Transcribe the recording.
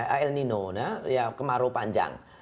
aelnino ya kemarau panjang